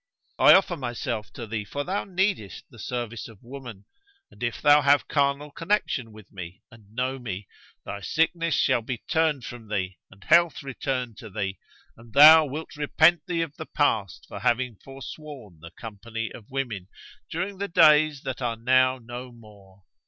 I offer myself to thee, for thou needest the service of woman: and if thou have carnal connection with me and know me, thy sickness shall be turned from thee and health return to thee; and thou wilt repent thee of the past for having foresworn the company of women during the days that are now no more.